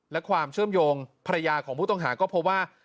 และความเชื่อมโยงภรรยาของผู้ต้องหาก็พบว่า